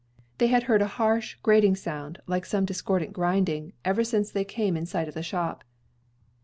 They had heard a harsh, grating sound, like some discordant grinding, ever since they came in sight of the shop.